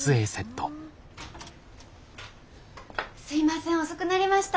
すいません遅くなりました。